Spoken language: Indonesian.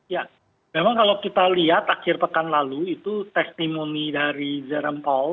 ya memang kalau kita lihat akhir pekan lalu itu testimomi dari jerem paul